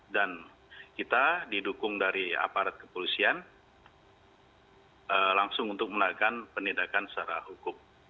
dan kita didukung dari aparat kepolisian langsung untuk melakukan penindakan secara hukum